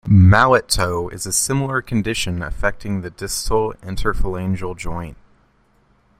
Mallet toe is a similar condition affecting the distal interphalangeal joint.